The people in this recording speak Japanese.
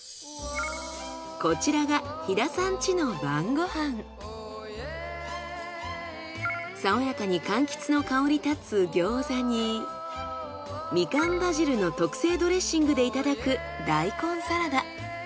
こちらが爽やかに柑橘の香り立つ餃子にみかんバジルの特製ドレッシングでいただく大根サラダ。